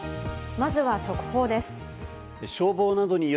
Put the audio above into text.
まずは速報です。